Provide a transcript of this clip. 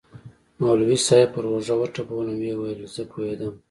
مولوي صاحب پر اوږه وټپولوم ويې ويل زه پوهېدم.